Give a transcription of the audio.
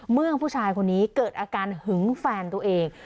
เมื่อผู้ชายคนนี้เกิดอาการหึงแฟนตัวเอง